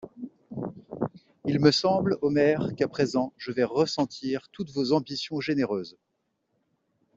Il me semble, Omer, qu'à présent je vais ressentir toutes vos ambitions généreuses.